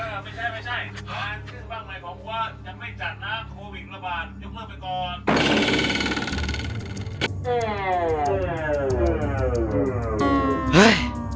ไม่ใช่ไม่ใช่บอกว่ายังไม่จัดนะโควิดระบาดยกเลิกไปก่อน